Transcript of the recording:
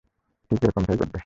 ঠিক এরকমটাই ঘটবে।